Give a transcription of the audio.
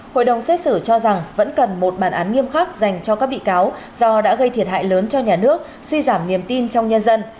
hội đồng xét xử cho rằng vẫn cần một bản án nghiêm khắc dành cho các bị cáo do đã gây thiệt hại lớn cho nhà nước suy giảm niềm tin trong nhân dân